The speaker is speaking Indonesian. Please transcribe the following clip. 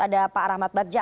ada pak rahmat badja